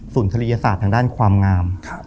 ศูนย์ธรรยาศาสตร์ทางด้านความงาม